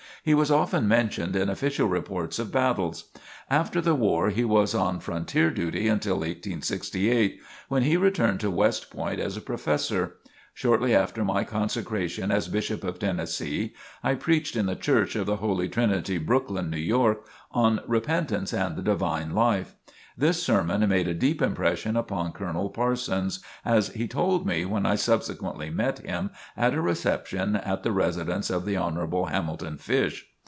He was often mentioned in official reports of battles. After the war he was on frontier duty until 1868 when he returned to West Point as a Professor. Shortly after my consecration as Bishop of Tennessee, I preached in the Church of the Holy Trinity, Brooklyn, New York, on "Repentance and the Divine Life." This sermon made a deep impression upon Colonel Parsons, as he told me when I subsequently met him at a reception at the residence of the Hon. Hamilton Fish.